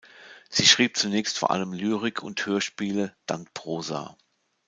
Sie schrieb zunächst vor allem Lyrik und Hörspiele, dann Prosa.